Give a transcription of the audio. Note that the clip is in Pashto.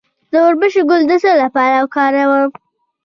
د وربشو ګل د څه لپاره وکاروم؟